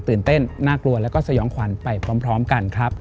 เต้นน่ากลัวแล้วก็สยองขวัญไปพร้อมกันครับ